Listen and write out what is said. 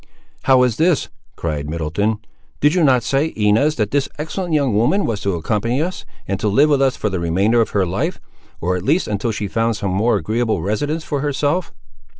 "How is this?" cried Middleton; "did you not say, Inez, that this excellent young woman was to accompany us, and to live with us for the remainder of her life; or, at least, until she found some more agreeable residence for herself?"